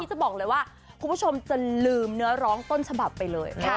จะบอกเลยว่าคุณผู้ชมจะลืมเนื้อร้องต้นฉบับไปเลย